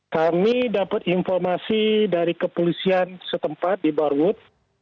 kami dapat informasi dari kepolisian setempat di barwood